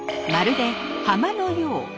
まるで浜のよう。